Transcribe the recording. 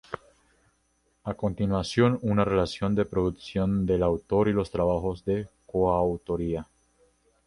A continuación una relación de la producción del autor y los trabajos de coautoría.